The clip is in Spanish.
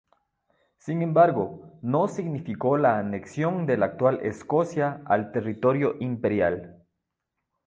Sin embargo, no significó la anexión de la actual Escocia al territorio imperial.